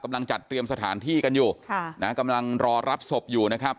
กำลังจัดเตรียมสถานที่กันอยู่นะครับกำลังรอรับศพอยู่นะครับ